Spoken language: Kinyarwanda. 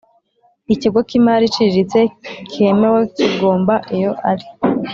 Ikigo cy imari iciriritse cyemewe kigomba iyo ari